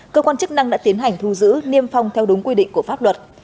cơ quan chức năng đã tiến hành thu giữ niêm phong theo đúng quy định của pháp luật